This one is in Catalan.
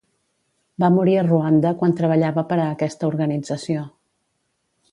Va morir a Ruanda quan treballava per a aquesta organització.